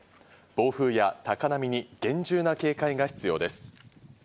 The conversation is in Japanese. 暴風や高波に厳重な警戒が必要です。